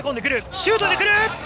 シュートに来る！